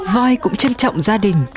voi cũng trân trọng gia đình